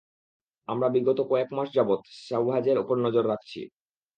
আমরা বিগত কয়েক মাস যাবৎ সাওভ্যাজের উপর নজর রাখছি।